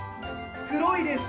黒いですか？